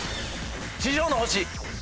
地上の星。